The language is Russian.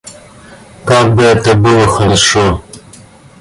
Как бы это было хорошо!